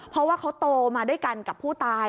เพราะว่าเขาโตมาด้วยกันกับผู้ตาย